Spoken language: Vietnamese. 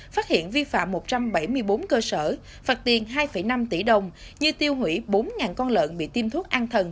phát hiện vi phạm một trăm bảy mươi bốn cơ sở phạt tiền hai năm tỷ đồng như tiêu hủy bốn con lợn bị tiêm thuốc an thần